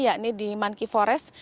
yakni di monkey forest